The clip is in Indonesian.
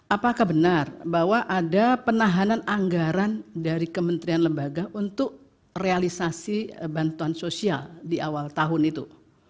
apakah benar bahwa ada penahanan anggaran dari kementerian lembaga untuk realisasi bantuan sosial di awal tahun itu